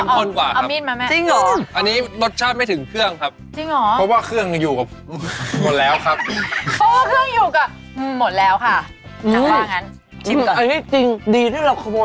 ครับนี่ให้๕คะแนนครับผมโอ้โฮ